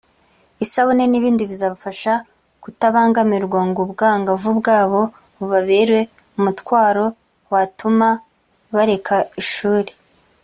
isabune n’ibindi bizabafasha kutabangamirwa ngo ubwangavu bwabo bubabere umutwaro watuma bareka ishuri